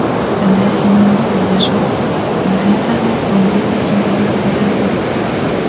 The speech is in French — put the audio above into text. Sa mère et Lily voyagent beaucoup, ils réapparaissent dans deux épisodes de la saison.